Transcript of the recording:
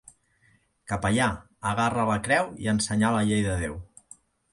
Capellà, agarra la creu i a ensenyar la llei de Déu.